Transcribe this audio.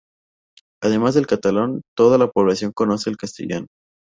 Además del catalán, toda la población conoce el castellano.